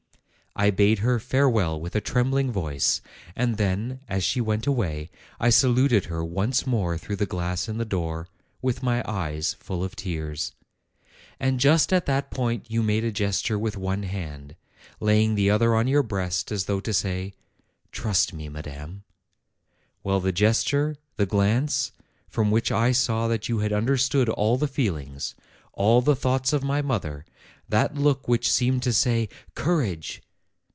I bade her farewell with a trembling voice, and then, as she went away, I saluted her once more through the glass in the door, with my eyes full of tears. And just at that point you made a gesture with one hand, laying the other on your breast, as though to say, 'Trust me, madam.' Well, the gesture, the glance, from which I saw that you had understood all the feelings, all the thoughts of my mother ; that look which seemed to say, 'Courage